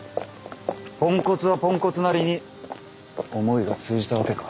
ポンコツはポンコツなりに思いが通じたわけか。